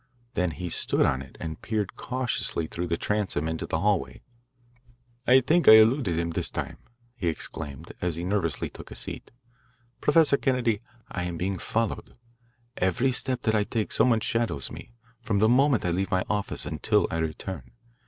Then he stood on it and peered cautiously through the transom into the hallway. "I think I eluded him this time," he exclaimed, as he nervously took a seat. "Professor Kennedy, I am being followed. Every step that I take somebody shadows me, from the moment I leave my office until I return.